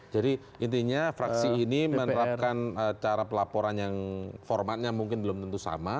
jadi intinya fraksi ini menerapkan cara pelaporan yang formatnya mungkin belum tentu sama